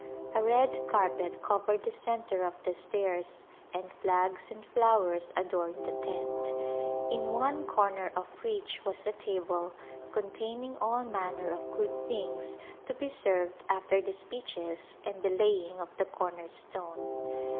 A red carpet covered the centre of the stairs, and flags and flowers adorned the tent, in one corner of which was a table containing all manner of good things to be served after the speeches and the laying of the corner stone.